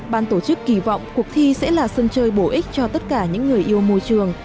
ban tổ chức kỳ vọng cuộc thi sẽ là sân chơi bổ ích cho tất cả những người yêu môi trường